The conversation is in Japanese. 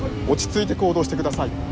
落ち着いて行動してください。